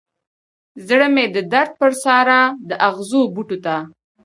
زړه مې د درد پر سارا د اغزو بوټو ته